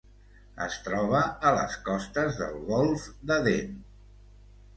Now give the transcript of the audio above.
Es troba a les costes del Golf d'Aden.